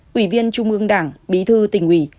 quỷ viên trung mương đảng bí thư tỉnh quỷ